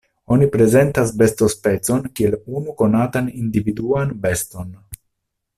Oni prezentas bestospecon kiel unu konatan individuan beston.